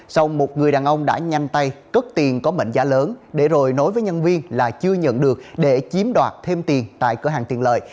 sau một người đàn ông đã nhanh tay cất tiền có mệnh giá lớn để rồi nối với nhân viên là chưa nhận được để chiếm đoạt thêm tiền tại cửa hàng tiện lợi